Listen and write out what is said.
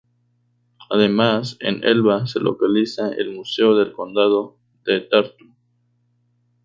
Además en Elva se localiza el museo del condado de Tartu.